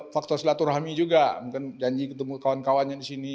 faktor silaturahmi juga mungkin janji ketemu kawan kawannya di sini